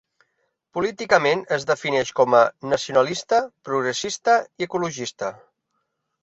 Políticament es defineix com a nacionalista, progressista i ecologista.